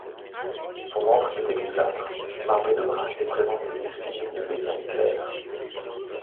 Son ventre était grisâtre, marbré de brun et présentait une fine ligne médiane claire.